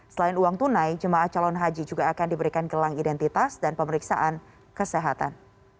selain uang tunai jemaah calon haji juga akan diberikan gelang identitas dan pemeriksaan kesehatan